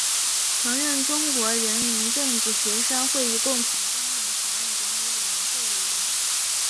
曾任中国人民政治协商会议共同纲领草案整理委员会委员。